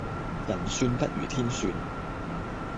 人算不如天算